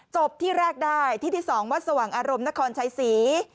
ที่แรกได้ที่ที่๒วัดสว่างอารมณ์นครชัยศรี